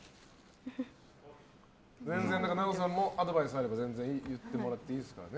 全然奈緒さんもアドバイスなどあれば言っていただいていいですからね。